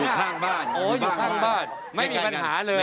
ข้างบ้านโอ้อยู่ข้างบ้านไม่มีปัญหาเลย